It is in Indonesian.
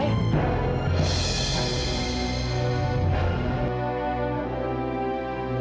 bapak ini ikut campur